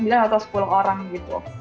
sembilan atau sepuluh orang gitu